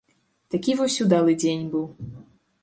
Такі вось удалы дзень быў.